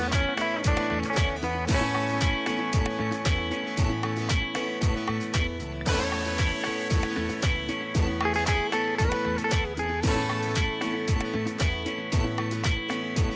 สวัสดีครับ